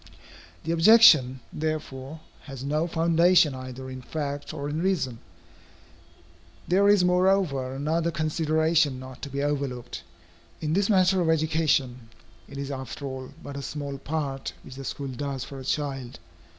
The objection, therefore, has no foundation either in fact or in reason. There is moreover another consideration not to be overlooked. In this matter of education, it is after all but a small part which the school does for a child.